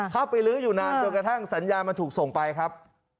เข้าไปลื้ออยู่นานจนกระทั่งสัญญามันถูกส่งไปครับ